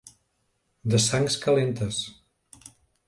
De sangs calentes.